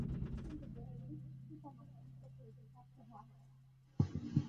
কিন্তু দেহের বীজ পিতামাতার নিকট হইতে প্রাপ্ত হওয়া চাই।